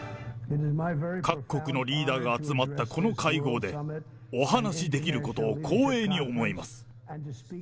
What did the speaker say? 各国のリーダーが集まったこの会合で、お話しできることを光栄に思います。